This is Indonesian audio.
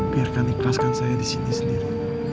biarkan ikhlaskan saya disini sendiri